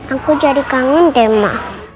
aku jadi kangen deh ma